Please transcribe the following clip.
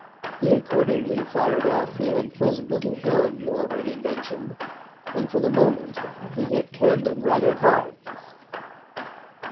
He accordingly fired off the unpleasant little gun already mentioned, and, for the moment, he hit Camden rather hard.